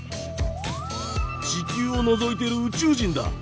地球をのぞいてる宇宙人だ！